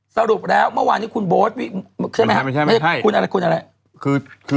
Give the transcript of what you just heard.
สรุปแล้วเมื่อวานที่คุณโบ๊ทคุณอะไรคุณอะไร